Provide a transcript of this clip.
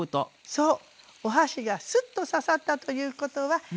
そう。